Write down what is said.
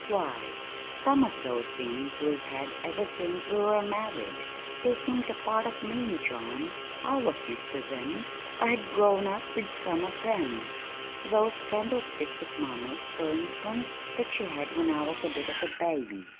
Why, some of those things we've had ever since we were married. They seemed a part of me, John. I was used to them. I had grown up with some of them those candlesticks of mamma's, for instance, that she had when I was a bit of a baby.